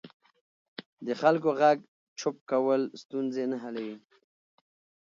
د خلکو غږ چوپ کول ستونزې نه حلوي